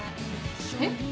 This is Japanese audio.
えっ？